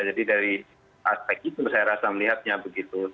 jadi dari aspek itu saya rasa melihatnya begitu